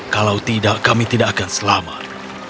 kalau tidak kami tidak akan selamat